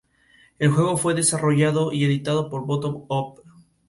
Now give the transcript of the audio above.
El juego fue desarrollado y editado por Bottom Up.